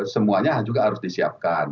semuanya juga harus disiapkan